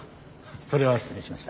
それは失礼しました。